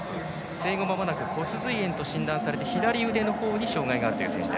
生後まもなく骨髄炎と診断されて左足に障がいがあるという選手。